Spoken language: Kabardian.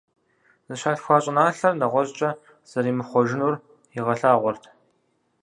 Зыщалъхуа щӀыналъэр нэгъуэщӀкӀэ зэримыхъуэжынур игъэлъагъуэрт.